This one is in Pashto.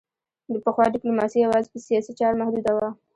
پخوا ډیپلوماسي یوازې په سیاسي چارو محدوده وه